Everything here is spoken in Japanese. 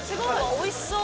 おいしそう。